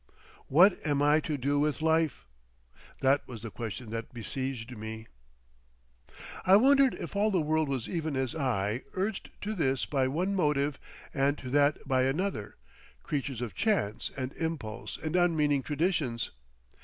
"What am I to do with life?" that was the question that besieged me. I wondered if all the world was even as I, urged to this by one motive and to that by another, creatures of chance and impulse and unmeaning traditions.